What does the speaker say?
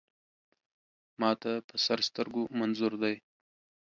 ما ته په سر سترګو منظور دی.